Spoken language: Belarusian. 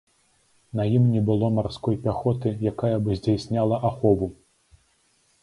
На ім не было марской пяхоты, якая бы здзяйсняла ахову.